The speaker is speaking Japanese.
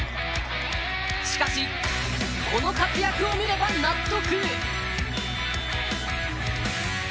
しかし、この活躍を見れば納得。